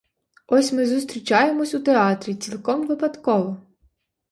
Ось ми зустрічаємось у театрі, цілком випадково.